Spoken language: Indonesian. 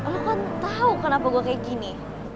lo kan tahu kenapa gue kayak gini